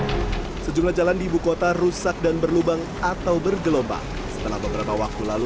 hai sejumlah jalan di ibukota rusak dan berlubang atau bergelombang setelah beberapa waktu lalu